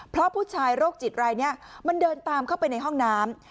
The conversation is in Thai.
เพราะผู้ชายโรคจิตรายนี้มันเดินตามเข้าไปในห้องน้ำ